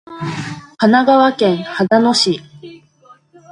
神奈川県秦野市